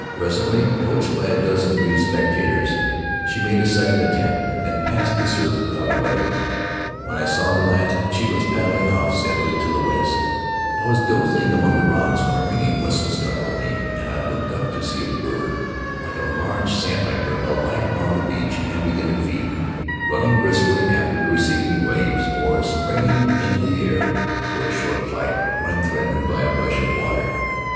Presently, coached by a dozen amused spectators, she made a second attempt, and passed the surf without a wetting; when I saw her last she was paddling off steadily to the west. Faery Lands of the South Seas I was dozing among the rocks when a ringing whistle startled me and I looked up to see a bird like a large sandpiper alight on the beach and begin to feed, run ning briskly after the receding waves or springing into the air for a short flight when threatened by a rush of water.